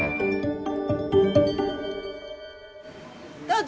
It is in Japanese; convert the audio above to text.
どうぞ！